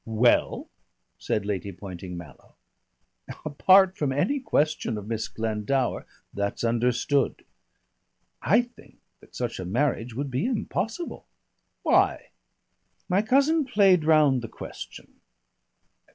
"Well?" said Lady Poynting Mallow. "Apart from any question of Miss Glendower " "That's understood." "I think that such a marriage would be impossible." "Why?" My cousin played round the question.